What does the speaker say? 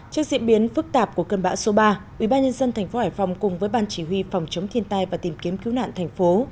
trước diễn biến phức tạp của cơn bão số ba ubnd tp hải phòng cùng với ban chỉ huy phòng chống thiên tai và tìm kiếm cứu nạn thành phố